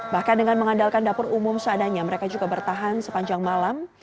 bahkan dengan mengandalkan dapur umum seadanya mereka juga bertahan sepanjang malam